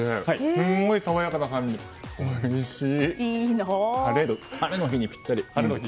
すごい爽やかな感じでおいしい。